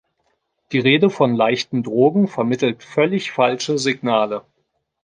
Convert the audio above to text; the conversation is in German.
Die Rede von leichten Drogen vermittelt völlig falsche Signale.